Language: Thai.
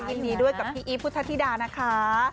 ยินดีด้วยกับพี่อีฟพุทธธิดานะคะ